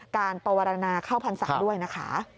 ปวรรณาเข้าพรรษาด้วยนะคะ